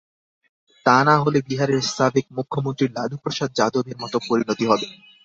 তা না হলে বিহারের সাবেক মুখ্যমন্ত্রী লালুপ্রসাদ যাদবের মতো পরিণতি হবে।